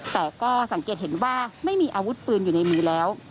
แต่ก็สังเกตเห็นว่าไม่มีอาวุธปืนอยู่ในมือแล้ว